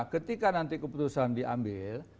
ketika nanti keputusan diambil